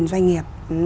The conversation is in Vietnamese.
bảy doanh nghiệp